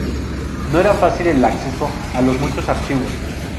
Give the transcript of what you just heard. No era fácil el acceso a los muchos archivos.